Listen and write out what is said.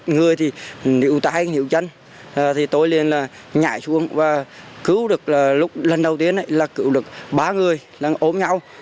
người thì níu tay níu chân tôi nên nhảy xuống và cứu được lúc lần đầu tiên là cứu được ba người đang ôm nhau